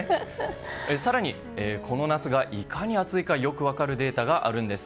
更に、この夏がいかに暑いかよく分かるデータがあるんです。